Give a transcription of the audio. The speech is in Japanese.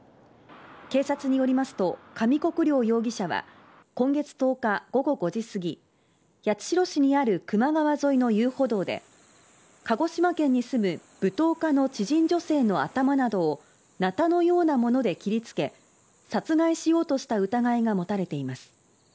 警察によりますと上國料容疑者は今月１０日午後５時すぎ八代市にある球磨川沿いの遊歩道で鹿児島県に住む舞踏家の知人女性の頭などをナタのようなもので切りつけ殺害しようとした疑いが持たれています。